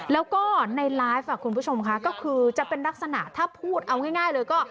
แล้วก็ในไลฟ์คุณผู้ชมค่ะก็คือจะเป็นลักษณะถ้าพูดเอาง่ายเลยก็